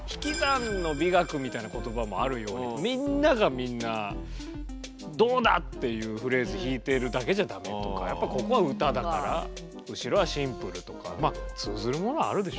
みたいな言葉もあるようにっていうフレーズ弾いているだけじゃダメとかやっぱここは歌だから後ろはシンプルとかまあ通ずるものはあるでしょうね。